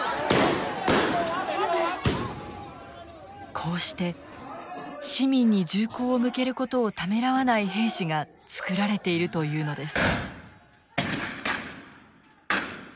こうして市民に銃口を向けることをためらわない兵士が作られているというのです。